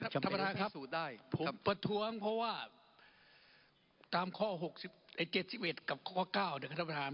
ท่านประธานพิสูจน์ได้ผมประท้วงเพราะว่าตามข้อ๖๗๑กับข้อ๙นะครับท่านประธาน